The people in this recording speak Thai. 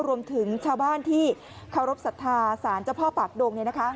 รวมถึงชาวบ้านที่เคารพสัทธาศาลเจ้าพ่อปากดงเนี่ยนะคะ